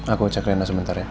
aku cek rena sebentar ya